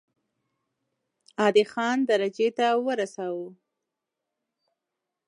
عادي خان درجې ته ورساوه.